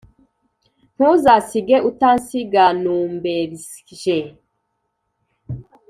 ntuzasige utansiganumbersrije